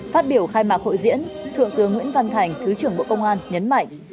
phát biểu khai mạc hội diễn thượng tướng nguyễn văn thành thứ trưởng bộ công an nhấn mạnh